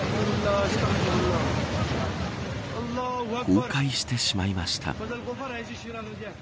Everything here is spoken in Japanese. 崩壊してしまいました。